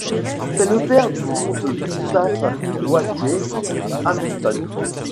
C'est le père du comte Gustaf Wathier Hamilton.